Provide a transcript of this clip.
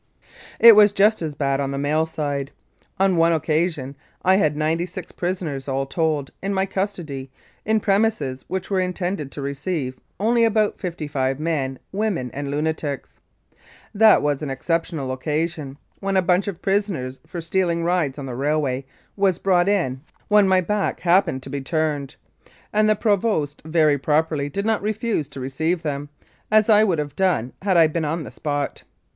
It was just as bad on the male side. On one occasion I had ninety six prisoners, all told, in my custody, in premises which were intended to receive only about fifty five men, women, and lunatics. That was an ex ceptional occasion, when a bunch of prisoners for steal ing rides on the railway was brought in when my back happened to be turned, and the Provost very properly did not refuse to receive them, as I would have done had I been on the spot.